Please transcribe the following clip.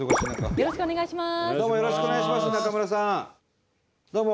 よろしくお願いします。